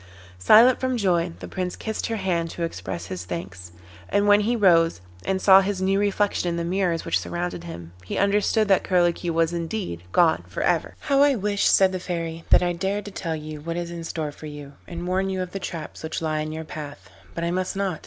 Silent from joy, the Prince kissed her hand to express his thanks, and when he rose and saw his new reflection in the mirrors which surrounded him, he understood that Curlicue was indeed gone for ever. 'How I wish,' said the Fairy, 'that I dared to tell you what is in store for you, and warn you of the traps which lie in your path, but I must not.